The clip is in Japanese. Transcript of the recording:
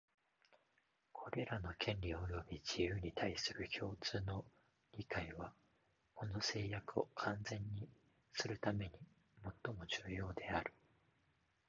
これらの権利及び自由に対する共通の理解は、この誓約を完全にするためにもっとも重要である